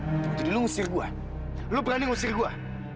tunggu sedikit lu ngusir gue lu berani ngusir gue